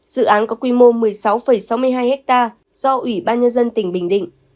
dự án có quy mô một mươi sáu sáu mươi hai ha do ủy ban nhân dân tỉnh bình định